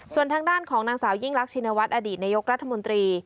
ส่วนทางด้านของนางสาวยิ่งรักชินวัฒน์อดีตนายกรัฐมนตรี